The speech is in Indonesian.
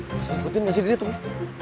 masih ikutin masih didetom ya